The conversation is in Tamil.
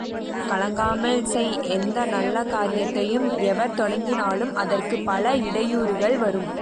கலங்காமல் செய் எந்த நல்ல காரியத்தையும் எவர் தொடங்கினாலும் அதற்குப் பல இடையூறுகள் வரும்.